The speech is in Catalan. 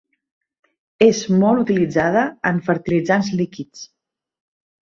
És molt utilitzada en fertilitzants líquids.